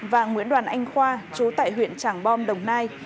và nguyễn đoàn anh khoa chú tại huyện trảng bom đồng nai